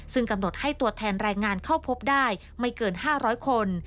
ซึ่งกำหนดให้ตัวแทนแรงงานเข้าพบได้ไม่เกิน๕๐๐คน